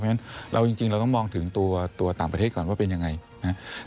เพราะฉะนั้นเราจริงเราต้องมองถึงตัวต่างประเทศก่อนว่าเป็นยังไงนะครับ